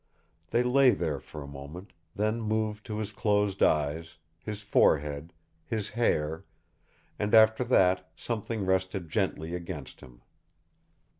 They lay there for a moment, then moved to his closed eyes, his forehead, his hair and after that something rested gently against him.